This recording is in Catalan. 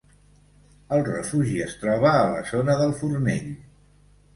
El refugi es troba a la zona del Fornell.